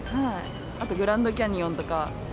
あとグランドキャニオンとか。